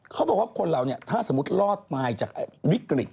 เขาบอกว่าคนเราถ้าสมมติรอดมาจากวิกฤต